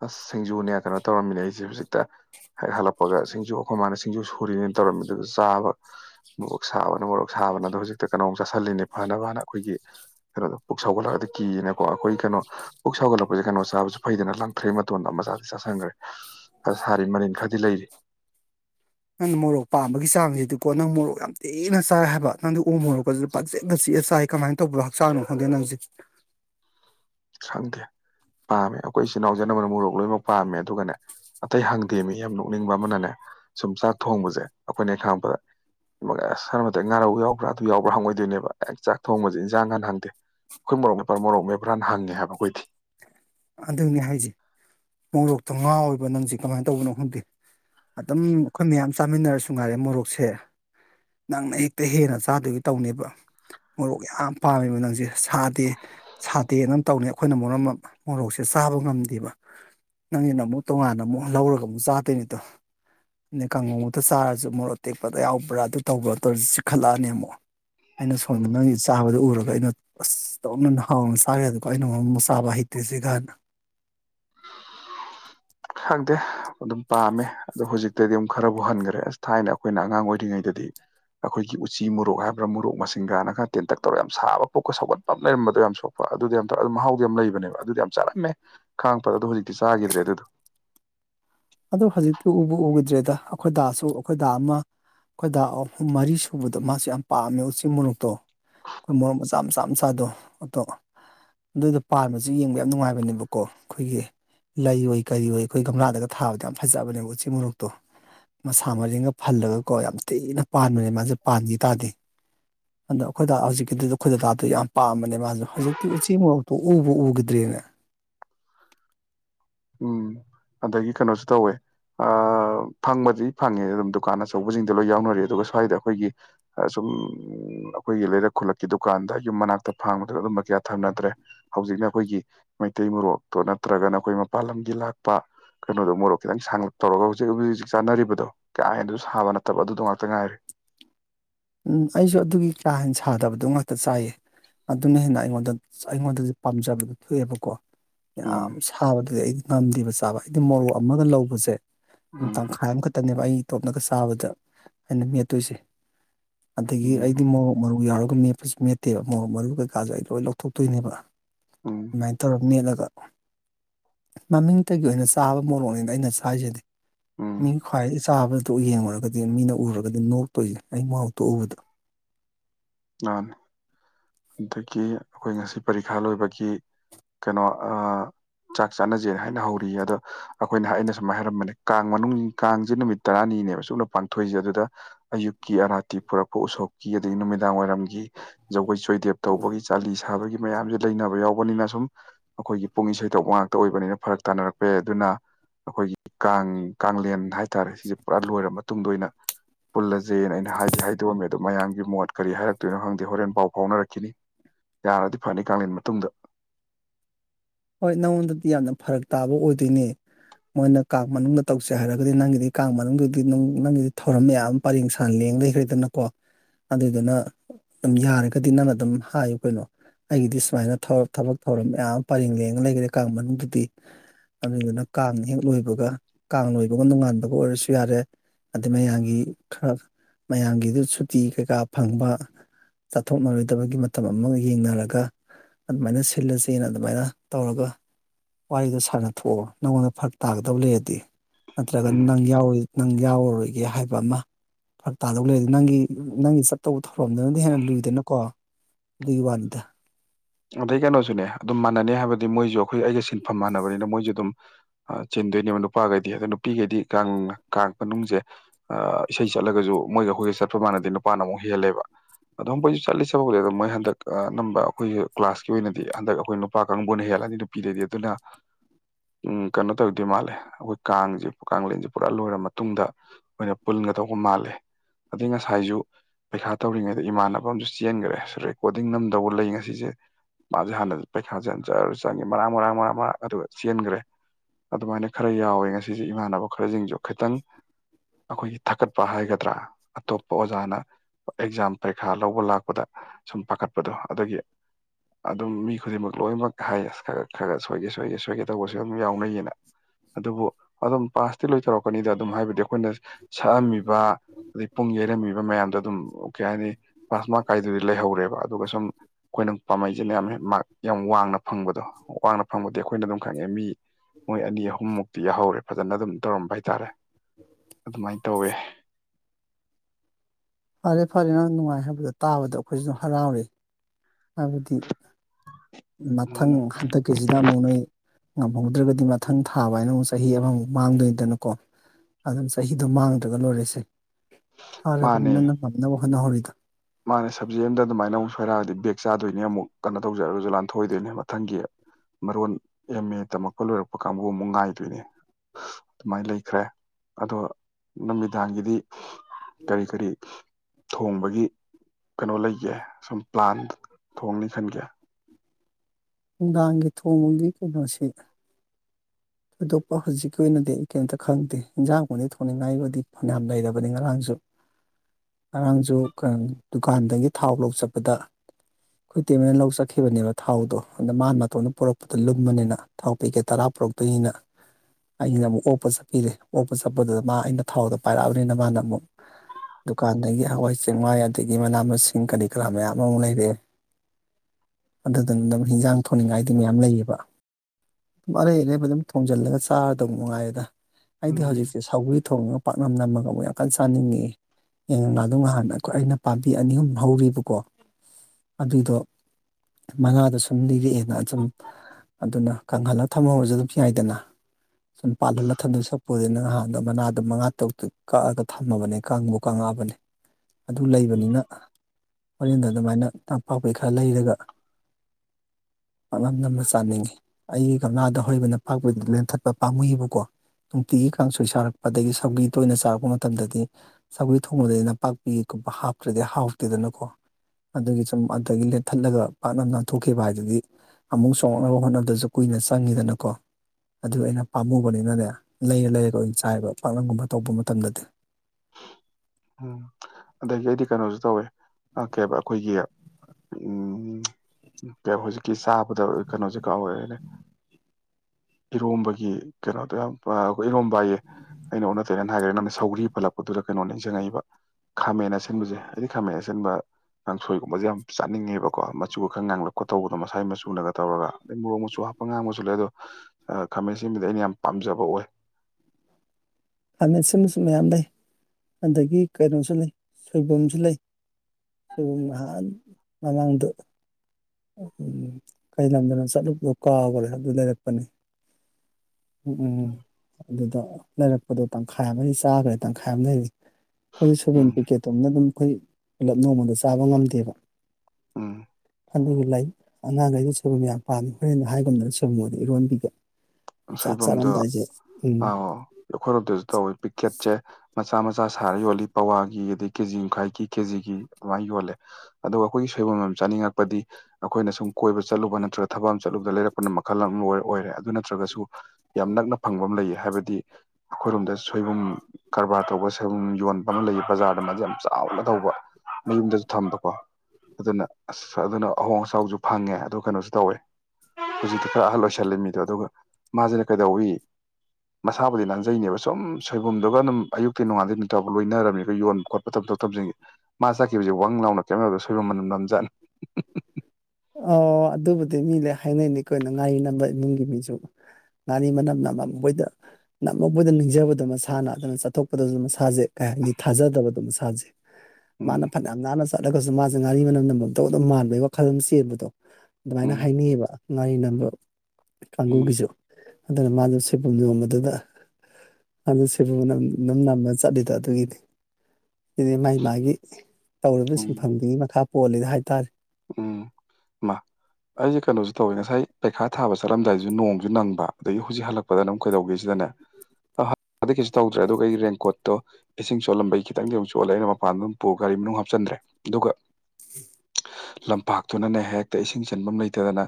ꯑꯁ ꯁꯤꯡꯖꯨꯅꯦ ꯀꯩꯅꯣ ꯇꯧꯔꯝꯃꯤꯅꯦ ꯑꯩꯖꯨ ꯍꯨꯖꯤꯛꯇ ꯍꯦꯛ ꯍꯜꯂꯛꯄꯒ ꯁꯤꯡꯖꯨ ꯑꯈꯣꯏ ꯑꯈꯣꯢ ꯃꯥꯅ ꯁꯤꯡꯖꯨ ꯁꯨꯔꯤꯅꯦꯅ ꯇꯧꯔꯝꯃꯤ ꯑꯗꯨꯗ ꯆꯥꯕ ꯃꯣꯔꯣꯛ ꯁꯥꯕꯅ ꯃꯣꯔꯣꯛ ꯁꯥꯕꯅ ꯑꯗꯣ ꯍꯧꯖꯤꯛꯇ ꯀꯩꯅꯣꯃꯨꯛ ꯆꯥꯥꯁꯜꯂꯤꯅꯤ ꯐꯅꯕꯅ ꯈꯣꯏꯒꯤ ꯀꯩꯅꯣꯗꯣ ꯄꯨꯛ ꯁꯧꯒꯠꯂꯛꯒꯗꯤ ꯀꯤꯌꯦꯅꯀꯣ ꯑꯈꯣꯏ ꯀꯩꯅꯣ ꯄꯨꯛ ꯁꯧꯒꯠꯂꯛꯄꯁꯦ ꯀꯩꯅꯣ ꯆꯥꯕꯁꯨ ꯐꯩꯗꯅ ꯂꯥꯡꯊ꯭ꯔꯩ ꯃꯇꯣꯟꯗꯣ ꯃꯆꯥꯗꯤ ꯆꯥꯁꯟꯒ꯭ꯔꯦ ꯑ ꯁꯥꯔꯤ ꯃꯅꯤꯟ ꯈꯔꯗꯤ ꯂꯩꯔꯤ ꯅꯪꯅ ꯃꯣꯔꯣꯛ ꯄꯥꯝꯕꯒꯤ ꯆꯥꯡꯁꯤꯗꯤꯀꯣ ꯅꯪ ꯃꯣꯔꯣꯛ ꯌꯥꯝ ꯊꯤꯅ ꯆꯥꯏ ꯍꯥꯏꯕ ꯅꯪꯗꯨ ꯎ ꯃꯣꯔꯣꯛꯀꯁꯨ ꯄꯆꯦꯠꯇ ꯆꯦꯑ ꯆꯥꯏ ꯀꯃꯥꯏꯅ ꯇꯧꯕꯅꯣ ꯍꯥꯛꯆꯥꯡꯅꯣ ꯈꯪꯗꯦ ꯅꯪꯁꯦ ꯁꯪꯗꯦ ꯄꯥꯝꯃꯦ ꯑꯩꯈꯣꯏ ꯏꯆꯤꯟ ꯏꯅꯥꯎꯖꯦ ꯑꯅꯝꯕꯅ ꯃꯣꯔꯣꯛ ꯂꯣꯏꯅꯃꯛ ꯄꯥꯝꯃꯦ ꯑꯗꯨꯒꯅꯦ ꯑꯇꯩ ꯍꯪꯗꯦ ꯃꯤ ꯌꯥꯝ ꯅꯣꯛꯅꯤꯡꯕ ꯑꯃꯅꯅꯦ ꯁꯨꯝ ꯆꯥꯛ ꯊꯣꯡꯕꯁꯦ ꯑꯩꯈꯣꯏꯅꯍꯦꯛ ꯈꯥꯡꯉꯛꯄꯗ ꯃꯨꯑꯦꯁ ꯉꯥꯔꯥꯎ ꯌꯥꯎꯕ꯭ꯔꯥ ꯑꯗꯨ ꯌꯥꯎꯕ꯭ꯔꯥ ꯍꯪꯉꯣꯏꯗꯣꯏꯅꯦꯕ ꯆꯥꯛ ꯊꯣꯡꯕꯁꯤ ꯏꯟꯖꯥꯡ ꯍꯥꯟꯅ ꯍꯪꯗꯦ ꯑꯩꯈꯣꯏ ꯃꯣꯔꯣꯛ ꯃꯣꯔꯣꯛ ꯃꯦꯕ꯭ꯔꯥꯥꯟ ꯍꯪꯉꯦ ꯍꯥꯏꯕ ꯑꯩꯈꯣꯏꯗꯤ ꯑꯗꯨꯅꯤ ꯍꯥꯏꯁꯦ ꯎꯃꯣꯔꯣꯛꯇ ꯉꯥꯎꯋꯦꯕ ꯅꯪꯁꯦ ꯀꯃꯥꯏꯅ ꯇꯧꯕꯅꯣ ꯈꯪꯗꯦ ꯑꯗꯨꯝ ꯑꯩꯈꯣꯏ ꯃꯌꯥꯝ ꯆꯥꯃꯤꯟꯅꯔꯁꯨ ꯉꯥꯏꯔꯦ ꯃꯣꯔꯣꯛꯁꯦ ꯅꯪꯅ ꯍꯦꯛꯇ ꯍꯦꯟꯅ ꯆꯥꯗꯣꯏꯒꯤ ꯇꯧꯅꯦꯕ ꯃꯣꯔꯣꯛ ꯌꯥꯝ ꯄꯥꯝꯃꯦꯕ ꯅꯪꯁꯦ ꯁꯥꯗꯦ ꯁꯥꯗꯦꯅ ꯇꯧꯅꯤ ꯑꯩꯈꯣꯏꯅ ꯃꯔꯣꯝꯃ ꯃꯣꯔꯣꯛꯁꯦ ꯆꯥꯕ ꯉꯝꯗꯦꯕ ꯅꯪꯒꯤꯅ ꯑꯃꯨꯛ ꯇꯣꯉꯥꯟꯅ ꯑꯃꯨꯛ ꯂꯧꯔꯒ ꯑꯃꯨꯛ ꯆꯥꯗꯣꯏꯅꯤꯗꯣ ꯑꯗꯩ ꯀꯥꯡꯉꯧꯃꯥꯛꯇ ꯆꯥꯔꯁꯨ ꯃꯣꯔꯣꯛ ꯑꯇꯦꯛꯄꯗꯣ ꯌꯥꯎꯕ꯭ꯔꯥ ꯑꯗꯨ ꯇꯧꯕ꯭ꯔꯥ ꯇꯧꯔ ꯆꯤꯛꯈꯥꯠꯂꯥꯛꯑꯅꯤ ꯑꯃꯨꯛ ꯑꯩꯅ ꯁꯣꯝꯗ ꯎꯝ ꯅꯪꯒꯤ ꯆꯥꯕꯗꯣ ꯎꯔꯨꯔꯒ ꯑꯩꯅ ꯑꯁ ꯇꯣꯛꯅ ꯍꯥꯎꯅ ꯆꯥꯈ꯭ꯔꯦꯗꯀꯣ ꯑꯩꯅ ꯃꯔꯣꯝꯃ ꯆꯥꯕ ꯍꯩꯇ ꯇꯤꯁꯤꯒꯥꯟꯅ ꯈꯪꯗꯦ ꯑꯗꯨꯝ ꯄꯥꯝꯃꯦ ꯑꯗꯣ ꯍꯧꯖꯤꯛꯇꯗꯤ ꯑꯃꯨꯛ ꯈꯔꯕꯨ ꯍꯥꯟꯒ꯭ꯔꯦ ꯑꯁ ꯊꯥꯏꯅ ꯑꯩꯈꯣꯏꯅ ꯑꯉꯥꯡ ꯑꯣꯏꯔꯤꯉꯩꯗꯗꯤ ꯑꯩꯈꯣꯏꯒꯤ ꯎꯆꯤ ꯃꯣꯔꯣꯛ ꯍꯥꯏꯕ꯭ꯔꯥ ꯃꯣꯔꯣꯛ ꯃꯁꯤꯡꯒꯥꯅ ꯇꯦꯟꯇꯛ ꯇꯧꯔ ꯌꯥꯝ ꯁꯥꯕ ꯄꯣꯛꯀ ꯁꯧꯒꯠ ꯄꯥꯞ ꯂꯩꯔꯝꯕꯗꯣ ꯌꯥꯝ ꯁꯣꯛꯄ ꯑꯗꯨꯗꯤ ꯑꯝꯇꯥ ꯑꯗꯣ ꯃꯍꯥꯎꯗꯤ ꯌꯥꯝ ꯂꯩꯕꯅꯦꯕ ꯑꯗꯨꯗꯤ ꯌꯥꯝ ꯆꯥꯔꯝꯃꯦ ꯈꯥꯡꯄ ꯑꯗꯣ ꯍꯧꯖꯤꯛꯇꯤ ꯆꯥꯒꯤꯗ꯭ꯔꯦ ꯑꯗꯨꯗꯣ ꯑꯗꯣ ꯍꯧꯖꯤꯛꯇꯤ ꯎꯕ ꯎꯒꯤꯗ꯭ꯔꯦꯗ ꯑꯩꯈꯣꯏꯗꯥꯁꯨ ꯑꯩꯈꯣꯏꯗꯥ ꯑꯃ ꯈꯣꯏꯗꯥ ꯑꯍꯨꯝ ꯃꯔꯤ ꯁꯨꯕꯗꯣ ꯃꯥꯁꯨ ꯌꯥꯝ ꯄꯥꯝꯃꯦ ꯎꯆꯤ ꯃꯣꯔꯣꯛꯇꯣ ꯃꯣꯔꯣꯛ ꯃꯆꯥ ꯃꯆꯥ ꯃꯆꯥꯗꯣ ꯑꯗꯣ ꯑꯗꯨꯗꯣ ꯄꯥꯟꯕꯁꯨ ꯌꯦꯡꯕ ꯌꯥꯝ ꯅꯨꯡꯉꯥꯏꯕꯅꯦꯕꯀꯣ ꯑꯩꯈꯣꯏꯒꯤ ꯂꯩ ꯑꯣꯏ ꯀꯔꯤ ꯑꯣꯏ ꯑꯩꯈꯣꯏ ꯒꯝꯂꯥꯗꯒ ꯊꯥꯕꯗ ꯌꯥꯝ ꯐꯖꯕꯅꯦꯕ ꯎꯆꯤ ꯃꯣꯔꯣꯛꯇꯣ ꯃꯁꯥ ꯃꯔꯦꯡꯒ ꯐꯥꯜꯂꯒꯀꯣ ꯌꯥꯝ ꯊꯤꯅ ꯄꯥꯟꯕꯅꯦ ꯃꯥꯁꯦ ꯄꯥꯟꯈꯤ ꯇꯥꯔꯗꯤ ꯑꯗ ꯑꯩꯈꯣꯏꯗ ꯍꯧꯖꯤꯛꯀꯤꯗꯨ ꯑꯩꯈꯣꯏ ꯗꯥꯗꯥ ꯗꯣ ꯌꯥꯝ ꯄꯥꯝꯕꯅꯦ ꯃꯥꯖꯨ ꯍꯧꯖꯤꯛꯇꯤ ꯎꯆꯤ ꯃꯣꯔꯣꯛꯇꯣ ꯎꯕ ꯎꯈꯤꯗ꯭ꯔꯦꯅꯦ ꯎꯝ ꯑꯗꯒꯤ ꯀꯩꯅꯣꯁꯨ ꯇꯧꯋꯦ ꯑ ꯐꯪꯕꯗꯤ ꯐꯪꯉꯦ ꯑꯗꯨꯝ ꯗꯨꯀꯥꯟ ꯑꯆꯧꯕꯁꯤꯡꯗ ꯂꯣꯏ ꯌꯥꯎꯅꯔꯤ ꯑꯗꯨꯒ ꯁ꯭ꯋꯥꯏꯗ ꯑꯩꯈꯣꯏꯒꯤ ꯁꯨꯝ ꯑꯩꯈꯣꯏꯒꯤ ꯂꯩꯔꯥꯛ ꯈꯨꯜꯂꯥꯛꯀꯤ ꯗꯨꯀꯥꯟꯗ ꯌꯨꯝ ꯃꯅꯥꯛꯇ ꯐꯥꯡꯕꯗꯨ ꯑꯗꯨꯝꯕ ꯀꯌꯥ ꯊꯥꯝꯅꯗ꯭ꯔꯦ ꯍꯧꯖꯤꯛꯅ ꯑꯩꯈꯣꯏꯒꯤ ꯃꯩꯇꯩ ꯃꯣꯛꯇꯣ ꯅꯠꯇ꯭ꯔꯒꯅ ꯑꯩꯈꯣꯏ ꯃꯄꯥꯟ ꯂꯥꯝꯒꯤ ꯂꯥꯛꯄ ꯀꯩꯅꯣꯗꯣ ꯃꯣꯔꯣꯛ ꯈꯤꯇꯪ ꯁꯥꯡꯞ ꯇꯧꯔꯒ ꯍꯧꯖꯤꯛ ꯍꯧꯖꯤꯛ ꯆꯥꯅꯔꯤꯕꯗꯣ ꯀꯥꯍꯦꯟꯅꯁꯨ ꯁꯥꯕ ꯅꯠꯇꯕ ꯑꯗꯨꯗꯣ ꯉꯥꯛꯇ ꯉꯥꯏꯔꯦ ꯎꯝ ꯑꯩꯁꯨ ꯑꯗꯨꯒꯤ ꯀꯥ ꯍꯦꯟ ꯁꯥꯗꯕꯗꯨ ꯉꯥꯛꯇ ꯆꯥꯏꯌꯦ ꯑꯗꯨꯅ ꯍꯦꯟꯅ ꯑꯩꯉꯣꯟꯗ ꯑꯩꯉꯣꯟꯗꯗꯤ ꯄꯥꯝꯖꯕꯗꯣ ꯊꯣꯛꯑꯦꯕꯀꯣ ꯎꯝ ꯌꯥꯝ ꯁꯥꯕꯗꯨꯗꯤ ꯑꯩꯗꯤ ꯉꯥꯝꯗꯦꯕ ꯆꯥꯕ ꯑꯩꯗꯤ ꯃꯣꯔꯣꯛ ꯑꯃꯒ ꯂꯧꯕꯁꯦ ꯎꯝ ꯇꯪꯈꯥꯏ ꯑꯃꯈꯥꯛꯇꯅꯦꯕ ꯑꯩ ꯇꯣꯝꯗꯒ ꯆꯥꯕꯗ ꯑꯩꯅ ꯃꯦꯠꯇꯣꯏꯁꯦ ꯑꯗꯒꯤ ꯎꯝ ꯑꯩꯗꯤ ꯃꯣꯔꯣꯛ ꯃꯔꯨ ꯌꯥꯎꯔꯒ ꯃꯦꯠꯄꯁꯨ ꯃꯦꯠꯇꯦꯕ ꯃꯣꯔꯣꯛ ꯃꯔꯨ ꯀꯩꯀꯥꯁꯨ ꯑꯩ ꯂꯣꯏ ꯂꯧꯊꯣꯛꯇꯣꯏꯅꯦꯕ ꯎꯝ ꯑꯗꯨꯃꯥꯏꯅ ꯇꯧꯔꯒ ꯃꯦꯠꯂꯥꯒ ꯃꯃꯤꯡꯇꯒꯤ ꯑꯣꯏꯅ ꯆꯥꯕ ꯃꯣꯔꯣꯛꯅꯤꯗ ꯑꯩꯅ ꯆꯥꯏꯖꯤꯗꯤ ꯃꯤ ꯎꯝ ꯈ꯭ꯋꯥꯏꯗꯒꯤ ꯆꯥꯕꯗꯨ ꯌꯦꯡꯉꯨꯔꯒꯗꯤ ꯃꯤꯅ ꯎꯔꯒꯗꯤ ꯅꯣꯛꯇꯣꯏꯅꯦ ꯑꯩ ꯃꯣꯔꯣꯛꯇꯣ ꯎꯕꯗ꯫ ꯃꯥꯅꯦ ꯑꯗꯒꯤ ꯑꯈꯣꯏ ꯉꯁꯤ ꯄꯔꯤꯈꯥ ꯂꯣꯏꯕꯒꯤ ꯀꯩꯅꯣ ꯑꯥ ꯆꯥꯛ ꯆꯥꯅꯖꯦ ꯍꯥꯏꯅ ꯍꯧꯔꯤꯌꯦ ꯑꯗꯣ ꯑꯈꯣꯏꯅ ꯑꯩꯅ ꯁꯨꯃꯥꯏ ꯍꯥꯏꯔꯥꯝꯕꯅꯦ ꯀꯥꯡ ꯃꯅꯨꯡ ꯀꯥꯡꯖꯦ ꯅꯨꯃꯤꯠ ꯇꯔꯥꯅꯤꯅꯦꯕ ꯁꯨꯞꯅ ꯄꯥꯡꯊꯣꯛꯏꯖꯦ ꯑꯗꯨꯗ ꯑꯌꯨꯛꯀꯤ ꯑꯔꯥꯇꯤ ꯄꯨꯔꯛꯄ ꯎꯁꯣꯞꯀꯤ ꯑꯗꯒꯤ ꯅꯨꯃꯤꯗꯥꯡ ꯋꯥꯏꯔꯝꯒꯤ ꯖꯒꯣꯏ ꯆꯣꯏ ꯇꯦꯞ ꯇꯧꯕꯒꯤ ꯆꯥꯂꯤ ꯁꯥꯕꯒꯤ ꯃꯌꯥꯝꯖꯦ ꯂꯩꯅꯕ ꯌꯥꯎꯕꯅꯤꯅ ꯁꯨꯝ ꯑꯈꯣꯏꯒꯤ ꯄꯨꯡ ꯏꯁꯩ ꯇꯧꯕ ꯉꯥꯛꯇ ꯑꯣꯏꯕꯅꯤꯅ ꯐꯔꯛ ꯇꯥꯅꯔꯛꯄ ꯌꯥꯏ ꯑꯗꯨꯅ ꯑꯈꯣꯏꯒꯤ ꯀꯥꯡ ꯀꯪꯂꯦꯟ ꯍꯥꯏꯇꯔꯦ ꯁꯤꯖꯦ ꯄꯨꯔꯥ ꯂꯣꯏꯔꯕ ꯃꯇꯨꯡꯗ ꯑꯣꯏꯅ ꯄꯨꯜꯂꯖꯤꯅ ꯑꯩꯅ ꯍꯥꯏꯗꯤ ꯍꯥꯏꯗꯣꯛꯑꯝꯃꯦ ꯑꯗꯣ ꯃꯌꯥꯝꯒꯤ ꯃꯣꯠ ꯀꯔꯤ ꯍꯥꯏꯔꯛꯇꯣꯏꯅꯣ ꯈꯪꯗꯦ ꯍꯣꯔꯦꯟ ꯄꯥꯎ ꯐꯥꯎꯅꯔꯦ ꯈꯤꯅꯤ ꯌꯥꯔꯗꯤ ꯐꯅꯤ ꯀꯪꯂꯦꯟ ꯃꯇꯨꯡꯗ ꯍꯣꯏ ꯅꯪꯉꯣꯟꯗꯗꯤ ꯌꯥꯝꯅ ꯐꯔꯥꯛ ꯇꯥꯕ ꯑꯣꯏꯗꯣꯏꯅꯦ꯫ ꯃꯣꯏꯅ ꯀꯪ ꯃꯅꯨꯡꯗ ꯇꯧꯁꯦ ꯍꯥꯏꯔꯒꯗꯤ ꯅꯪꯒꯤꯗꯤ ꯀꯪ ꯃꯅꯨꯡꯗꯨꯗꯤ ꯅꯪꯒꯤꯗꯤ ꯊꯧꯔꯥꯝ ꯃꯌꯥꯝ ꯄꯔꯦꯡ ꯁꯥꯅ ꯂꯦꯡ ꯂꯩꯈ꯭ꯔꯦꯗꯅꯀꯣ ꯑꯗꯨꯗꯨꯅ ꯑꯗꯨꯝ ꯌꯥꯔꯒꯗꯤ ꯅꯪꯅ ꯑꯗꯨꯝ ꯍꯥꯏꯌꯨ ꯀꯩꯅꯣ ꯑꯩꯒꯤꯗꯤ ꯁꯨꯃꯥꯏꯅ ꯊꯕꯛ ꯊꯧꯔꯝ ꯃꯌꯥꯝ ꯄꯔꯦꯡ ꯂꯦꯡꯉ ꯂꯩꯒꯔꯦ ꯀꯥꯡ ꯃꯅꯨꯡꯗꯨꯗꯤ ꯑꯗꯨꯗꯨꯅ ꯀꯥꯡ ꯍꯦꯛ ꯂꯣꯏꯕꯒ ꯀꯥꯡ ꯂꯣꯏꯕꯒ ꯅꯣꯉꯥꯟꯕꯒ ꯑꯣꯏꯔꯁꯨ ꯌꯥꯔꯦ꯫ ꯑꯗꯩ ꯃꯌꯥꯝꯒꯤ ꯈꯔ ꯃꯌꯥꯝꯒꯤꯗꯨ ꯁꯨꯇꯤ ꯀꯩꯀꯥ ꯐꯪꯕ ꯆꯠꯊꯣꯛꯅꯔꯣꯏꯗꯕꯒꯤ ꯃꯇꯝ ꯑꯃ ꯌꯦꯡꯅꯔꯒ ꯑꯗꯨꯃꯥꯏꯅ ꯁꯤꯜꯂꯁꯦꯅ ꯑꯗꯨꯃꯥꯏꯅ ꯇꯧꯔꯒ ꯋꯥꯔꯤꯗꯣ ꯁꯥꯟꯅ ꯊꯣꯛꯑꯣ ꯅꯪꯉꯣꯟꯗ ꯐꯔꯛ ꯇꯥꯒꯗꯕ ꯂꯩꯔꯗꯤ꯫ ꯅꯠꯇ꯭ꯔꯒ ꯎꯝ ꯅꯪ ꯌꯥꯎ ꯅꯪ ꯌꯥꯎꯔꯔꯣꯏꯒꯦ ꯍꯥꯏꯕ ꯑꯃ꯫ ꯐꯔꯛ ꯇꯥꯗꯧ ꯂꯩ ꯅꯪꯒꯤ ꯅꯪꯒꯤ ꯆꯠꯇꯧꯕ ꯊꯧꯔꯝꯗꯨꯅꯗꯤ ꯍꯦꯟꯅ ꯂꯨꯏꯗꯅꯀꯣ꯫ ꯗꯨꯏꯒꯤ ꯋꯥꯅꯤꯗꯥ ꯑꯗꯩ ꯀꯩꯅꯣꯁꯨꯅꯦ ꯑꯗꯨꯝ ꯃꯥꯟꯅꯅꯤ ꯍꯥꯏꯕꯗꯤ ꯃꯣꯏꯖꯨ ꯑꯈꯣꯏ ꯑꯩꯒ ꯁꯤꯟꯐꯝ ꯃꯥꯟꯅꯕꯅꯤꯅ ꯃꯣꯏꯖꯨ ꯑꯗꯨꯝ ꯑ ꯆꯤꯟꯗꯣꯏꯅꯦꯕ ꯅꯨꯄꯥꯒꯩꯗꯤ ꯑꯗꯣ ꯅꯨꯄꯤꯒꯩꯗꯤ ꯀꯥꯡ ꯀꯥꯡ ꯃꯅꯨꯡꯖꯦ ꯑ ꯏꯁꯩ ꯆꯠꯂꯒꯁꯨ ꯃꯣꯏꯒ ꯑꯩꯈꯣꯏꯒ ꯆꯠꯄ ꯃꯥꯟꯅꯗꯦ ꯅꯨꯄꯥꯅ ꯑꯃꯨꯛ ꯍꯦꯜꯂꯦꯕ꯫ ꯑꯗꯣ ꯍꯈꯣꯏꯁꯨ ꯆꯠꯂꯤ ꯆꯠꯄꯕꯨꯗꯤ ꯑꯗꯣ ꯃꯣꯏ ꯍꯟꯗꯛ ꯑꯅꯝꯕ ꯑꯩꯈꯣꯏꯒꯤ ꯀ꯭ꯂꯥꯁꯀꯤ ꯑꯣꯏꯅꯗꯤ ꯍꯟꯗꯛ ꯑꯈꯣꯏ ꯅꯨꯄꯥ ꯀꯥꯡꯕꯨꯅ ꯍꯦꯜꯂꯅꯤ ꯅꯨꯄꯤꯗꯩꯗꯤ ꯑꯗꯨꯅ ꯎꯝ ꯀꯩꯅꯣ ꯇꯧꯗꯗꯤ ꯃꯥꯜꯂꯦ ꯑꯈꯣꯏ ꯀꯥꯡꯖꯦ ꯀꯂꯦꯟꯖꯦ ꯄꯨꯔꯥ ꯂꯣꯏꯔ ꯃꯇꯨꯡꯗ ꯑꯣꯏꯅ ꯄꯨꯟꯒꯗꯧꯕ ꯃꯥꯜꯂꯦ ꯑꯗꯩ ꯉꯁꯥꯏꯖꯨ ꯄꯩꯈꯥ ꯇꯧꯔꯤꯉꯩꯗ ꯏꯃꯥꯟꯅꯕ ꯑꯃꯖꯨ ꯆꯦꯟꯒꯔꯦ ꯔꯦꯀꯣꯔꯗꯤꯡ ꯅꯝꯗꯧꯕ ꯂꯩ ꯉꯁꯤꯖꯦ ꯃꯥꯖꯦ ꯍꯥꯟꯅ ꯄꯩꯈꯥꯖꯦ ꯖꯔ ꯆꯪꯉꯦ ꯃꯔꯥꯡ ꯃꯔꯥꯡ ꯃꯔꯥꯡ ꯃꯔꯥꯡ ꯑꯗꯨꯒ ꯆꯦꯟꯒ꯭ꯔꯦ꯫ ꯑꯗꯨꯃꯥꯏꯅ ꯈꯔ ꯌꯥꯎꯋꯦ ꯉꯁꯤꯁꯦ ꯏꯃꯥꯟꯅꯕ ꯈꯔꯖꯤꯡꯖꯨ꯫ ꯈꯤꯇꯪ ꯑꯈꯣꯏꯒꯤ ꯊꯥꯀꯠꯄ ꯍꯥꯏꯒꯗ꯭ꯔꯥ ꯑꯇꯣꯞꯄ ꯑꯣꯖꯥꯅ ꯑꯦꯛꯖꯥꯝ ꯄꯔꯤꯈꯥ ꯂꯧꯕ ꯂꯥꯛꯄꯗ ꯁꯨꯝ ꯄꯥꯈꯠꯄꯗꯣ ꯑꯗꯨꯒꯤ ꯑꯗꯨꯝ ꯃꯤ ꯈꯨꯗꯤꯡꯃꯛ ꯂꯣꯏꯅꯃꯛ ꯍꯥꯏꯌꯦ ꯈꯔ ꯈꯔ ꯁꯣꯏꯒꯦ ꯁꯣꯏꯒꯦ ꯁꯣꯏꯒꯦ ꯇꯧꯕꯁꯨ ꯑꯗꯨꯝ ꯌꯥꯎꯅꯩꯌꯦꯅ꯫ ꯑꯗꯨꯕꯨ ꯑꯗꯨꯝ ꯄꯥꯁꯇꯤ ꯂꯣꯏ ꯇꯧꯔꯛꯀꯅꯤꯗ ꯑꯗꯨꯝ ꯍꯥꯏꯕꯗꯤ ꯑꯈꯣꯏꯅ ꯁꯛꯑꯝꯃꯤꯕ ꯑꯗꯩ ꯄꯨꯡ ꯌꯩꯔꯝꯃꯤꯕ ꯃꯌꯥꯝꯗꯣ ꯑꯗꯨꯝ ꯀꯩ ꯍꯥꯏꯅꯤ ꯄꯥꯁꯃꯥꯛ ꯀꯥꯏꯗꯨꯗꯤ ꯂꯩꯍꯧꯔꯦꯕ ꯑꯗꯨꯒ ꯁꯨꯝ ꯑꯈꯣꯏꯅ ꯄꯥꯝꯕꯩꯁꯤꯅ ꯌꯥꯝ ꯍꯦꯛ ꯃꯥꯛ ꯌꯥꯝ ꯋꯥꯡꯅ ꯐꯪꯕꯗꯣ ꯋꯥꯡꯅ ꯐꯪꯕꯗꯤ ꯑꯩꯈꯣꯏꯅ ꯑꯗꯨꯝ ꯈꯪꯉꯦ ꯃꯤ ꯃꯣꯏ ꯑꯅꯤ ꯑꯍꯨꯝꯃꯨꯛꯇꯤ ꯌꯥꯍꯧꯔꯦ ꯐꯖꯅ ꯑꯗꯨꯝ ꯇꯧꯔꯝꯕ ꯍꯥꯏꯇꯥꯔꯦ ꯑꯗꯨꯃꯥꯏ ꯇꯧꯋꯦ꯫ ꯐꯔꯦ ꯐꯔꯦ ꯅꯪ ꯅꯨꯡꯉꯥꯏ ꯍꯥꯏꯕꯗꯣ ꯇꯥꯕꯗꯣ ꯑꯈꯣꯏꯖꯨ ꯍꯔꯥꯎꯋꯦ ꯍꯥꯏꯕꯗꯤ ꯃꯊꯪ ꯍꯟꯗꯛꯀꯤꯖꯤꯗ ꯑꯃꯨꯛ ꯅꯣꯏ ꯉꯝꯍꯧꯗ꯭ꯔꯒꯗꯤ ꯃꯊꯪ ꯊꯥꯕ ꯍꯥꯏꯅ ꯑꯃꯨꯛ ꯆꯍꯤ ꯑꯃꯃꯨꯛ ꯃꯥꯡꯗꯣꯏꯅꯤꯗꯅꯀꯣ꯫ ꯑꯗꯨꯅ ꯆꯍꯤꯗꯣ ꯃꯥꯡꯗ꯭ꯔꯒ ꯂꯣꯏꯔꯦꯁꯦ ꯐꯔꯕꯅꯤ ꯃꯥꯅꯦ ꯅꯪꯅ ꯉꯝꯅꯕ ꯍꯣꯠꯅꯍꯧꯔꯤꯗꯣ꯫ ꯃꯥꯅꯦ ꯁꯕꯖꯦꯛ ꯑꯃꯗ ꯑꯗꯨꯃꯥꯏꯅ ꯑꯃꯨꯛ ꯁꯣꯏꯔꯛꯑꯒꯗꯤ ꯕꯦꯛ ꯆꯥꯗꯣꯏꯅꯦ ꯑꯃꯨꯛ ꯀꯩꯅꯣ ꯇꯧꯖꯔꯒꯁꯨ ꯂꯥꯟꯊꯣꯛꯑꯣꯏꯗꯣꯏꯅꯦ ꯃꯊꯪꯒꯤ ꯃꯔꯣꯟ ꯑꯦꯝ ꯑꯦ ꯇꯝꯃꯛꯄ ꯂꯣꯏꯔꯛꯄ ꯀꯥꯡꯕꯨ ꯑꯃꯨꯛ ꯉꯥꯏꯗꯣꯏꯅꯦ ꯑꯗꯨꯃꯥꯏꯅ ꯂꯩꯈ꯭ꯔꯦ ꯑꯗꯣ ꯅꯨꯃꯤꯗꯥꯡꯒꯤꯗꯤ ꯀꯔꯤ ꯀꯔꯤ ꯊꯣꯡꯕꯒꯤ ꯀꯩꯅꯣ ꯂꯩꯒꯦ ꯁꯨꯝ ꯄ꯭ꯂꯥꯟ ꯊꯣꯡꯅꯤ ꯈꯟꯒꯦ ꯅꯨꯡꯗꯥꯡꯒꯤ ꯊꯣꯡꯕꯒꯤ ꯀꯩꯅꯣꯁꯤ ꯑꯇꯣꯞꯄ ꯍꯧꯖꯤꯛꯀꯤ ꯑꯣꯏꯅꯗꯤ ꯀꯔꯤꯝꯇ ꯈꯪꯗꯦ ꯏꯟꯖꯥꯡꯕꯨꯗꯤ ꯊꯣꯡꯅꯤꯡꯉꯥꯏꯕꯨꯗꯤ ꯐꯅꯌꯥꯝ ꯂꯩꯔꯕꯅꯤ ꯉꯔꯥꯡꯁꯨ ꯉꯔꯥꯡꯁꯨ ꯗꯨꯀꯥꯟꯗꯒꯤ ꯊꯥꯎ ꯂꯧ ꯆꯠꯄꯗ ꯑꯩꯈꯣꯏ ꯇꯦꯝꯃꯩꯅ ꯂꯧ ꯆꯠꯈꯤꯕꯅꯦꯕ ꯊꯥꯎꯗꯣ ꯑꯗ ꯃꯥ ꯃꯇꯣꯟꯗ ꯄꯨꯔꯛꯄꯗ ꯂꯨꯝꯕꯅꯤꯅ ꯊꯥꯎ ꯄꯦꯀꯦꯠ ꯇꯔꯥ ꯄꯨꯔꯛꯇꯣꯏꯅꯤꯅ ꯑꯩꯅ ꯑꯃꯨꯛ ꯑꯣꯛꯄ ꯆꯠꯄꯤꯔꯦ ꯑꯣꯛꯄ ꯆꯠꯄꯗꯨꯗ ꯃꯥ ꯑꯩꯅ ꯊꯥꯎꯗꯣ ꯄꯥꯏꯔꯛꯑꯕꯅꯤꯅ ꯃꯥꯅ ꯑꯃꯨꯛ ꯗꯨꯀꯥꯟꯗꯒꯤ ꯍꯋꯥꯏ ꯆꯦꯡꯋꯥꯏ ꯑꯗꯒꯤ ꯃꯅꯥ ꯃꯁꯤꯡ ꯀꯔꯤ ꯀꯔꯥ ꯃꯌꯥꯝ ꯑꯃꯨꯛ ꯂꯩꯔꯑꯦ ꯑꯗꯨꯗꯨꯅ ꯑꯗꯨꯝ ꯍꯤꯟꯖꯥꯡ ꯊꯣꯡꯅꯤꯡꯉꯥꯏꯗꯤ ꯃꯌꯥꯝ ꯂꯩꯌꯦꯕ ꯑꯗꯨꯝ ꯑꯔꯩ ꯑꯔꯩꯕ ꯑꯗꯨꯝ ꯊꯣꯡꯖꯤꯜꯂꯒ ꯆꯥꯔꯗꯧ ꯉꯥꯏꯔꯦꯗ ꯑꯩꯗꯤ ꯎꯝ ꯍꯧꯖꯤꯛꯁꯦ ꯁꯥꯎꯒ꯭ꯔꯤ ꯊꯣꯡꯉ ꯄꯥꯛꯅꯝ ꯅꯝꯃꯒ ꯑꯃꯨꯛ ꯌꯥꯝ ꯀꯟ ꯆꯥꯅꯤꯡꯉꯦ ꯌꯥꯏꯉꯪꯂꯥꯗꯣ ꯉꯍꯥꯟ ꯑꯩꯈꯣꯏ ꯑꯩꯅ ꯄꯥꯝꯕꯤ ꯑꯅꯤ ꯑꯍꯨꯝ ꯍꯧꯔꯤꯕꯀꯣ ꯑꯗꯨꯏꯗꯣ ꯃꯉꯥꯗꯁꯨ ꯁꯨꯝ ꯂꯤꯔꯛꯑꯦꯅ ꯑꯗꯨꯨꯝ ꯑꯗꯨꯅ ꯀꯪꯍꯜꯂꯒ ꯊꯝꯃꯧꯔꯁꯨ ꯑꯗꯨꯝ ꯌꯥꯏꯗꯅ ꯁꯨꯝ ꯄꯥꯜꯍꯜꯂ ꯊꯝꯗꯣꯏ ꯁꯔꯨꯛꯄꯨꯗꯤ ꯅꯪꯍꯥꯟꯗꯣ ꯃꯅꯥꯗꯣ ꯃꯉꯥ ꯇꯔꯨꯛꯇ ꯀꯛꯑꯒ ꯊꯝꯃꯕꯅꯦ ꯀꯥꯡꯕꯨ ꯀꯥꯉꯥꯕꯅꯦ ꯑꯗꯨ ꯎꯝ ꯂꯩꯕꯅꯤꯅ ꯍꯣꯔꯦꯟꯗꯣ ꯑꯗꯨꯃꯥꯏꯅ ꯅꯄꯥꯛꯄꯤ ꯈꯔ ꯂꯩꯔꯒ ꯄꯅꯝ ꯅꯝꯕ ꯆꯥꯅꯤꯡꯉꯤ ꯑꯩꯒꯤ ꯀꯪꯍꯗꯣ ꯂꯦꯟꯊꯠꯄ ꯄꯥꯝꯃꯨꯏꯕꯀꯣ ꯅꯨꯡꯇꯤꯒꯤ ꯀꯥꯡꯁꯣꯏ ꯁꯥꯔꯛꯄ ꯑꯗꯒꯤ ꯁꯧꯒꯤ ꯇꯣꯏꯅ ꯆꯥꯔꯛꯄ ꯃꯇꯝꯗꯗꯤ ꯁꯧꯒꯔꯤ ꯊꯣꯡꯕꯗꯗꯤ ꯅꯄꯥꯛꯄꯤꯒꯨꯝꯄ ꯍꯥꯞꯇ꯭ꯔꯗꯤ ꯍꯥꯎꯇꯦꯗꯅꯀꯣ ꯑꯗꯨꯒꯤ ꯁꯨꯝ ꯑꯗꯨꯗꯒꯤ ꯂꯦꯟꯊꯠꯂꯒ ꯄꯥꯛꯅꯥꯝ ꯅꯥꯝꯊꯣꯛꯈꯤ ꯇꯦꯕ ꯍꯥꯏꯗꯨꯗꯤ ꯑꯃꯨꯛ ꯆꯣꯡꯔꯛꯅꯕ ꯍꯣꯠꯅꯕꯗꯁꯨ ꯀꯨꯏꯅ ꯆꯪꯉꯤꯗꯅꯀꯣ ꯑꯗꯨ ꯑꯩꯅ ꯄꯥꯝꯃꯨꯕꯅꯤꯅꯅꯦ ꯂꯩꯔ ꯂꯩꯔꯒ ꯑꯣꯏꯅ ꯆꯥꯏꯕ ꯄꯥꯛꯅꯝꯒꯨꯝꯕ ꯇꯧꯕ ꯃꯇꯝꯗꯗꯤ ꯎꯝ ꯑꯗꯒꯤ ꯑꯩꯗꯤ ꯀꯩꯅꯣꯁꯨ ꯇꯧꯋꯦ ꯑ ꯀꯩ ꯍꯥꯢꯕ ꯑꯈꯣꯢꯒꯤ ꯎꯝ ꯀꯩꯕ ꯍꯧꯖꯤꯛꯀꯤ ꯆꯥꯕꯗ ꯀꯩꯅꯣꯁꯦ ꯀꯥꯎꯋꯦꯅꯦ ꯏꯔꯣꯝꯕꯒꯤ ꯀꯩꯅꯣꯗꯣ ꯌꯥꯝ ꯑꯩꯈꯣꯏ ꯏꯔꯣꯝꯕ ꯍꯥꯏꯌꯦ ꯑꯩꯅ ꯑꯣꯟꯅ ꯇꯩꯅ ꯍꯥꯏꯈ꯭ꯔꯦ ꯅꯪꯅ ꯁꯧꯒ꯭ꯔꯤ ꯄꯜꯂꯛꯄꯗꯨꯗ ꯀꯩꯅꯣ ꯅꯤꯡꯁꯤꯡꯉꯛꯏꯕ ꯈꯥꯃꯦꯟ ꯑꯁꯤꯟꯕꯁꯦ ꯑꯩꯗꯤ ꯈꯥꯃꯦꯟ ꯑꯁꯤꯟꯕ ꯀꯥꯡꯁꯣꯏꯒꯨꯝꯕꯁꯦ ꯌꯥꯝ ꯆꯅꯤꯡꯉꯦꯕꯀꯣ ꯃꯆꯨꯒ ꯈꯔ ꯉꯥꯡꯂꯛꯄ ꯇꯧꯕꯗꯣ ꯃꯁꯥꯏ ꯃꯆꯨꯅꯒ ꯇꯧꯔꯒ ꯑꯗꯩ ꯃꯣꯔꯣꯛ ꯃꯆꯨ ꯍꯥꯞꯄ ꯉꯥꯡꯕꯁꯨ ꯂꯩ ꯑꯗꯣ ꯈꯥꯃꯦꯟ ꯁꯦꯝꯕꯗꯤ ꯑꯩꯅ ꯌꯥꯝ ꯄꯥꯝꯖꯕ ꯑꯣꯏ ꯐꯥꯃꯦꯟ ꯑꯁꯤꯟꯕꯁꯨ ꯃꯌꯥꯝ ꯂꯩ ꯑꯗꯒꯤ ꯀꯩꯅꯣꯁꯨ ꯂꯩ ꯁꯣꯏꯕꯨꯝꯁꯨ ꯂꯩ ꯁꯣꯢꯕꯨꯝ ꯅꯍꯥꯟ ꯃꯃꯥꯡꯗꯣ ꯎꯝ ꯀꯩ ꯂꯝꯗꯅ ꯆꯠꯂꯨꯗꯣ ꯀꯥꯎꯈ꯭ꯔꯦ ꯑꯗꯨ ꯂꯩꯔꯛꯄꯅꯤ ꯎꯝ ꯎꯝ ꯑꯗꯨꯗ ꯂꯩꯔꯛꯄꯗꯣ ꯇꯪꯈꯥꯏ ꯑꯃ ꯆꯥꯈ꯭ꯔꯦ ꯇꯪꯈꯥꯏ ꯑꯃ ꯂꯩꯔꯤ ꯑꯩꯈꯣꯏ ꯁꯣꯏꯕꯨꯝ ꯎꯝ ꯄꯤꯀꯦꯠꯇꯣꯝꯅ ꯑꯗꯨꯝ ꯑꯩꯈꯣꯏ ꯄꯨꯂꯞ ꯅꯣꯡꯃꯗ ꯆꯥꯕ ꯉꯝꯗꯦꯕ ꯎꯝ ꯑꯗꯨꯗꯨ ꯂꯩ ꯑꯉꯥꯡꯈꯩ ꯁꯧ ꯌꯥꯝ ꯄꯥꯝꯃꯤ ꯍꯣꯔꯦꯟꯅ ꯁꯣꯢꯕꯨꯝꯒ ꯏꯔꯣꯟꯕꯤꯒ ꯆꯥꯛ ꯆꯥ ꯔꯝ ꯗꯥꯢꯖꯦ ꯎꯝ ꯑꯩꯈꯣꯏ ꯔꯣꯢꯗꯁꯨ ꯇꯧꯋꯦ ꯄꯤꯛꯀꯦꯠꯁꯦ ꯃꯆꯥ ꯃꯆꯥ ꯁꯥꯔ ꯌꯣꯜꯂꯤ ꯄꯋꯥꯒꯤ ꯑꯗꯩ ꯀꯦꯖꯤꯈꯥꯏꯒꯤ ꯀꯦꯖꯤꯒꯤ ꯑꯗꯨꯃꯥꯏꯅ ꯌꯣꯜꯂꯦ ꯑꯗꯨꯒ ꯑꯩꯈꯣꯏꯒꯤ ꯁꯣꯏꯕꯨꯝ ꯌꯝ ꯆꯥꯅꯤꯡꯉꯛꯄꯗꯤ ꯑꯩꯈꯣꯏꯅ ꯁꯨꯝ ꯀꯣꯏꯕ ꯆꯠꯂꯨꯕ ꯅꯠꯇ꯭ꯔꯒ ꯊꯕꯛ ꯑꯃ ꯆꯠꯂꯨꯕꯗ ꯂꯩꯔꯛꯄꯅ ꯃꯈꯜ ꯑꯃ ꯑꯣꯏ ꯑꯣꯏꯔꯦ ꯑꯗꯨꯅ ꯅꯠꯇ꯭ꯔꯥꯒꯁꯨ ꯌꯥꯝ ꯅꯛꯅ ꯐꯪꯕ ꯑꯃ ꯂꯩꯌꯦ ꯍꯥꯏꯕꯗꯤ ꯑꯩꯈꯣꯏꯔꯣꯝꯗ ꯁꯣꯏꯕꯨꯝ ꯀꯔꯕꯥꯔ ꯇꯧꯕ ꯁꫭꯏꯕꯨꯝ ꯌꯣꯟꯕ ꯑꯃ ꯂꯩꯌꯦ ꯕꯖꯥꯔꯗ ꯃꯥꯁꯦ ꯌꯥꯝ ꯆꯥꯎꯅ ꯇꯧꯕ ꯃꯌꯨꯝꯗꯁꯨ ꯊꯝꯕꯀꯣ ꯑꯗꯨꯅ ꯑꯁ ꯑꯗꯨꯅ ꯑꯍꯣꯡ ꯑꯁꯥꯎꯁꯨ ꯐꯪꯉꯦ ꯑꯗꯨ ꯀꯩꯅꯣꯁꯨ ꯇꯧꯋꯦ ꯍꯧꯖꯤꯛꯇꯤ ꯈꯔ ꯑꯍꯥꯜ ꯑꯣꯏꯁꯜꯂꯦ ꯃꯤꯗꯣ ꯑꯗꯨꯒ ꯃꯥꯁꯤꯅ ꯀꯩꯗꯧꯋꯤ ꯃꯁꯥꯕꯨꯗꯤ ꯅꯥꯟꯖꯩꯅꯦꯕ ꯁꯨꯝ ꯁꯣꯏꯕꯨꯝꯗꯨꯒ ꯑꯗꯨꯝ ꯑꯌꯨꯛꯇꯩ ꯅꯣꯡꯉꯥꯟꯗꯩ ꯅꯨꯃꯤꯠꯇꯐꯥꯎ ꯂꯣꯏꯅꯔꯥꯕꯅꯦꯕ ꯌꯣꯟ ꯈꯣꯠꯄ ꯃꯇꯥꯞ ꯃꯇꯥꯞ ꯊꯥꯝꯖꯤꯟꯈꯤ ꯃꯥ ꯆꯥꯈꯤꯕꯁꯤ ꯋꯡ ꯂꯥꯎꯅ ꯀꯩꯝ ꯌꯥꯎꯗ꯭ꯔꯥ ꯁꯣꯏꯕꯨꯝ ꯃꯅꯝ ꯅꯝꯖꯥꯠꯅꯤ ꯑ ꯑꯗꯨꯕꯨꯗꯤ ꯃꯤꯂꯣꯢ ꯍꯥꯏꯅꯩꯅꯤ ꯀꯣꯏꯅꫭ ꯉꯥꯔꯤꯅꯝꯕ ꯏꯃꯨꯡꯒꯤ ꯃꯤꯁꯨ ꯉꯥꯔꯤ ꯃꯅꯝ ꯅꯃꯥ ꯕꯣꯏꯗ ꯅꯝꯃꯕꯣꯏꯗ ꯅꯤꯡꯖꯕꯗꯣ ꯃꯁꯥꯅ ꯑꯗꯨꯅ ꯆꯠꯊꯣꯛꯄꯗꯁꯨ ꯃꯁꯥꯁꯦ ꯀꯩ ꯍꯥꯏꯅꯤ ꯊꯥꯖꯗꯕꯗꯣ ꯃꯁꯥꯁꯦ [inaudible] ꯃꯅꯥ ꯎꯝ ꯐꯅꯌꯥꯝ ꯅꯥꯟꯅ ꯆꯠꯂꯒꯁꯨ ꯃꯥꯁꯦ ꯉꯥꯔꯤ ꯃꯅꯝ ꯅꯝꯃꯥꯝꯗꯣꯢꯗ ꯃꯥꯟꯕꯩ ꯋꯥꯈꯜ ꯑꯃ ꯆꯦꯟꯕꯗꯣ ꯑꯗꯨꯃꯥꯏꯅ ꯎꯝ ꯍꯥꯏꯅꯤꯡꯏꯕ ꯉꯥꯔꯤ ꯅꯝꯕ ꯎꯝ ꯀꯥꯡꯕꯨꯒꯤꯁꯨ ꯑꯗꯨꯅ ꯃꯥꯁꯨ ꯁꯣꯏꯕꯨꯝ ꯌꫭꯟꯕꯗꯨꯗ ꯑꯗꯨ ꯁꯣꯢꯕꯨꯝ ꯅꯝ ꯅꯝ ꯅꯝꯃꯥ ꯆꯠꯂꯤꯗꫭ ꯑꯗꯨꯒꯤꯗꯤ ꯁꯤꯗꯤ ꯃꯥꯒꯤ ꯃꯥꯒꯤ ꯇꯧꯔꯤꯕ ꯎꯝ ꯁꯤꯟꯐꯝꯗꯨꯒꯤ ꯃꯈꯥ ꯄꯣꯜꯂꯤꯗ ꯍꯥꯏꯇꯥꯔꯦ ꯎꯝ ꯃꯥ ꯑꯩꯁꯦ ꯀꯩꯅꯣꯁꯨ ꯇꯧꯋꯦ ꯉꯁꯥꯏ ꯄꯩꯈꯥ ꯊꯥꯕ ꯆꯠꯂꯝꯗꯥꯏꯁꯨ ꯅꯣꯡꯁꯨ ꯅꯪꯕ ꯑꯗꯥꯒꯤ ꯍꯧꯖꯤꯛ ꯍꯜꯂꯛꯄꯗꯅ ꯑꯃꯨꯛ ꯀꯩꯗꯧꯒꯦꯁꯤꯗꯅꯦ ꯑꯍꯥꯥꯟꯕꯗꯤ ꯀꯩꯁꯨ ꯇꯧꯗ꯭ꯔꯦ ꯑꯗꯨꯒ ꯑꯩ ꯔꯦꯟꯀꯣꯠꯇꯣ ꯏꯁꯤꯡ ꯆꯣꯠꯂꯝꯕꯒꯤ ꯈꯤꯇꯪꯗꯤ ꯑꯃꯨꯛ ꯆꯣꯠꯂꯦ ꯑꯩꯅ ꯃꯄꯥꯟꯗ ꯑꯃꯨꯛꯄꯨ ꯒꯥꯔꯤ ꯃꯅꯨꯡ ꯍꯥꯞꯆꯤꯟꯗ꯭ꯔꯦ ꯑꯗꯨꯒ [inaudible] ꯂꯝꯄꯥꯛꯇꯨꯅꯅꯦ ꯍꯦꯛꯇ ꯏꯁꯤꯡ ꯆꯟꯐꯝ ꯂꯩꯇꯗꯅ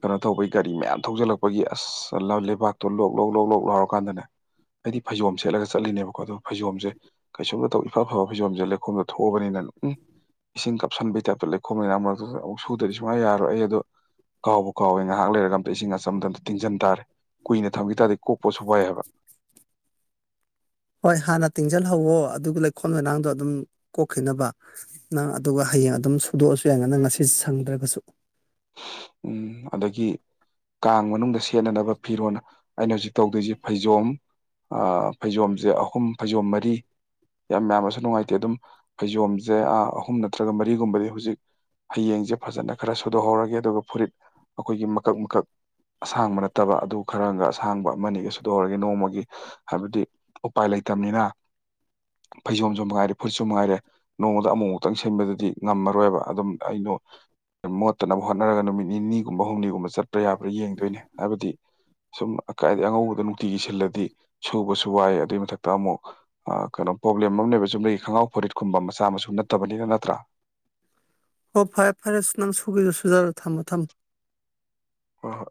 ꯀꯩꯅꯣ ꯇꯧꯕꯒꯤ ꯒꯥꯔꯤ ꯃꯌꯥꯝ ꯊꯧꯖꯜꯂꯛꯄꯒꯤ ꯑꯁ ꯂꯩꯕꯥꯛꯇꯣ ꯂꯣꯛ ꯂꯣꯛ ꯂꯣꯛ ꯂꯣꯛ ꯂꯥꯎꯔ ꯀꯥꯟꯗꯅꯦ ꯑꯩꯗꯤ ꯐꯩꯖꯣꯝ ꯁꯦꯠꯂꯒ ꯆꯠꯂꯤꯅꯦꯕꯀꯣ ꯑꯗꯣ ꯐꯩꯖꯣꯝꯁꯦ ꯀꯩꯁꯨꯝꯗ ꯇꯧ ꯏꯐ ꯐꯕ ꯐꯩꯖꯣꯝꯁꯦ ꯂꯩꯈꯣꯝꯗ ꯊꯣꯛꯑꯕꯅꯤꯅ ꯎꯝ ꯏꯁꯤꯡ ꯀꯥꯞꯁꯟꯕꯒꯤ ꯇꯥꯏꯞꯇ ꯂꯩ ꯈꯣꯝ ꯂꯩꯅꯥꯝ ꯃꯔꯛꯇꯗꯥ ꯑꯃꯨꯛ ꯁꯨꯗ꯭ꯔꯥꯗꯤ ꯁꯨꯡ ꯌꯥ ꯌꯥꯔꯣꯏ ꯑꯩ ꯑꯗꯨ ꯀꯥꯎꯕꯨ ꯀꯥꯎꯋꯦ ꯉꯥꯏꯍꯥꯛ ꯂꯩꯔꯒ ꯑꯝꯇ ꯏꯁꯤꯡ ꯑꯆꯝꯕꯇ ꯇꯤꯡꯖꯟ ꯇꯥꯔꯦ ꯀꯨꯏꯅ ꯊꯝꯈꯤ ꯇꯥꯔꯗꯤ ꯀꯣꯛꯄꯁꯨ ꯋꯥꯏ ꯍꯥꯏꯕ ꯍꯣꯏ ꯍꯥꯟꯅ ꯇꯤꯡꯁꯤꯜꯍꯧꯋꯣ ꯑꯗꯨꯒ ꯂꯩꯈꯣꯝ ꯂꯩꯅꯥꯡꯗꯣ ꯑꯗꯨꯝ ꯀꯣꯛꯈꯤꯅꯕ ꯅꯪ ꯑꯗꯨꯒ ꯍꯌꯦꯡ ꯑꯗꯨꯝ ꯁꯨꯗꯣꯛꯑꯁꯨ ꯌꯥꯏꯅ ꯅꯪ ꯉꯁꯤ ꯁꯪꯗ꯭ꯔꯥꯒꯁꯨ ꯎꯝ ꯑꯗꯥꯒꯤ ꯀꯥꯡ ꯃꯅꯨꯡꯗ ꯁꯦꯠꯅꯅꯕ ꯐꯤꯔꯣꯜ ꯑꯩꯅ ꯍꯧꯖꯤꯛ ꯇꯧꯗꯣꯏꯁꯤ ꯐꯩꯖꯣꯝ ꯑꯥ ꯐꯩꯖꯣꯝꯁꯦ ꯑꯍꯨꯝ ꯐꯩꯖꯣꯝ ꯃꯔꯤ ꯌꯥꯝ ꯃꯌꯥꯝꯅꯁꯨ ꯅꯨꯡꯉꯥꯏꯇꯦ ꯑꯗꯨꯝ ꯐꯩꯖꯣꯝꯁꯦ ꯑꯍꯨꯝ ꯅꯠꯇ꯭ꯔꯒ ꯃꯔꯤꯒꯨꯝꯕꯗꯤ ꯍꯧꯖꯤꯛ ꯍꯌꯦꯡꯁꯦ ꯐꯖꯅꯥ ꯈꯔ ꯁꯨꯗꯣꯛꯍꯧꯔꯒꯦ ꯑꯗꯨꯒ ꯐꯨꯔꯤꯠ ꯑꯩꯈꯣꯏꯒꯤ ꯃꯀꯛ ꯃꯀꯛ ꯑꯁꯥꯡꯕ ꯅꯠꯇꯕ ꯑꯗꯨ ꯈꯔꯒ ꯑꯁꯥꯡꯕ ꯑꯃꯅꯤꯒ ꯁꯨꯗꯣꯛꯍꯧꯔꯒꯦ ꯅꯣꯡꯃꯥꯒꯤ ꯍꯥꯏꯕꯗꯤ ꯎꯄꯥꯏ ꯂꯩꯇꯥꯝꯅꯤꯅ ꯐꯩꯖꯣꯝꯁꯨ ꯃꯉꯥꯏꯔꯦ ꯐꯨꯠꯁꯨ ꯃꯉꯥꯏꯔꯦ ꯅꯣꯡꯃꯥꯗ ꯑꯃꯨꯛꯃꯨꯛꯇꯪ ꯁꯤꯟꯕꯗꯨꯗꯤ ꯉꯝꯃꯔꯣꯏꯕ ꯑꯗꯨꯝ ꯑꯩꯗꯣ ꯃꯣꯠꯇꯅꯕ ꯍꯣꯠꯅꯔꯒ ꯅꯨꯃꯤꯠ ꯅꯤꯅꯤꯒꯨꯝꯕ ꯍꯨꯝꯅꯤꯒꯨꯝꯕ ꯆꯠꯄꯥ ꯌꯥꯕ꯭ꯔꯥ ꯌꯦꯡꯗꯣꯏꯅꯦ ꯍꯥꯏꯕꯗꯤ ꯁꯨꯝ ꯑꯀꯥꯏꯗꯒꯤ ꯑꯉꯧꯕꯗꯣ ꯅꯨꯡꯇꯤꯒꯤ ꯁꯤꯜꯂꯗꯤ ꯁꯨꯕꯁꯨ ꯋꯥꯏ ꯑꯗꯨꯏ ꯃꯊꯛꯇ ꯑꯃꯨꯛ ꯑ ꯀꯩꯅꯣ ꯄ꯭ꯔꯣꯕ꯭ꯂꯦꯝ ꯑꯃꯅꯦꯕ ꯆꯨꯝꯅꯩ ꯈꯪꯒꯥꯎ ꯐꯔꯤꯠꯀꯨꯝꯕ ꯃꯆꯥ ꯃꯁꯨ ꯅꯠꯇꯕꯅꯤꯅ ꯅꯠꯇ꯭ꯔꯥ ꯍꯣ ꯐꯔꯦ ꯐꯔꯦ ꯁꯨ ꯅꯪ ꯁꯨꯒꯦꯁꯨ ꯁꯨꯖꯔꯣ ꯊꯝꯃꯣ ꯊꯝꯃꯣ ꯍꯣꯏ ꯍꯣꯏ